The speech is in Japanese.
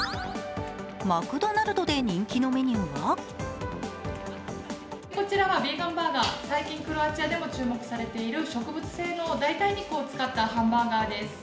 マクドナルドで人気のメニューはこちらはビーガンバーガー、最近、クロアチアでも注目されている植物性の代替肉を使ったハンバーガーです。